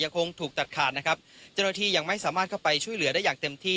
คงถูกตัดขาดนะครับเจ้าหน้าที่ยังไม่สามารถเข้าไปช่วยเหลือได้อย่างเต็มที่